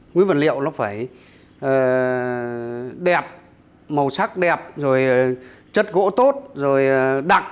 nguyên vật liệu nó phải đẹp màu sắc đẹp chất gỗ tốt đặc